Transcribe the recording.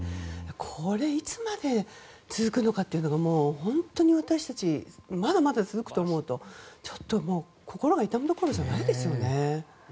これがいつまで続くのかってもう、本当に私たちまだまだ続くと思うと心が痛むどころじゃないですよね。